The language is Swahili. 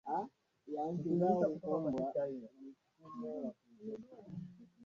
Lakini ni taabu kutambua tangao la wanajeshi lilikusudiwa kwa